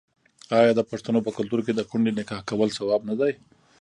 آیا د پښتنو په کلتور کې د کونډې نکاح کول ثواب نه دی؟